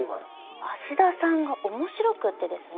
芦田さんが面白くってですね。